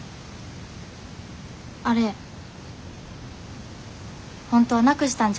あれ本当はなくしたんじゃない。